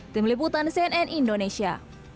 tim liputan cnn indonesia